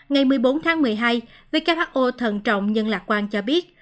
ngày một mươi bốn tháng một mươi hai who thận trọng nhưng lạc quan cho biết